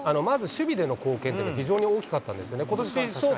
まず守備での貢献というのが、非常に大きかったんですよね。